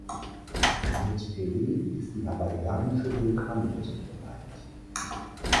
Mit Pele ist die hawaiische Vulkan-Göttin gemeint.